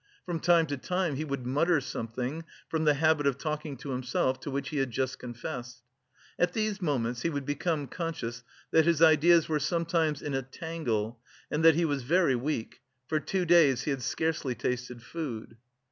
From time to time, he would mutter something, from the habit of talking to himself, to which he had just confessed. At these moments he would become conscious that his ideas were sometimes in a tangle and that he was very weak; for two days he had scarcely tasted food.